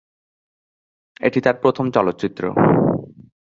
এটি তার প্রথম চলচ্চিত্র।